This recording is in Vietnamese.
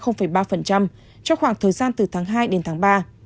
trong khoảng thời gian từ tháng hai đến tháng ba